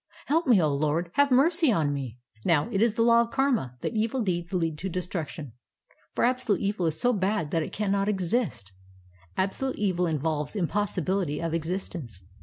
Help me, O Lord ; have mercy on me !' "Now, it is the law of karma that evil deeds lead to destruction, for absolute evil is so bad that it cannot e.xist. Absolute e\dl involves impossibility of existence.